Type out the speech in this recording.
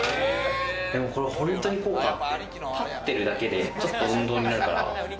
これ本当に効果あって、立ってるだけでちょっと運動になるから。